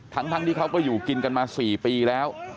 ที่อยู่กินกันมาสี่ปีแล้ว